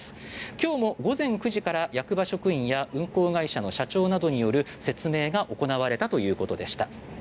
今日も午前９時から役場職員や運航会社の社長などによる説明が行われたということでした。